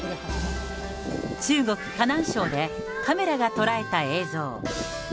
中国・河南省で、カメラが捉えた映像。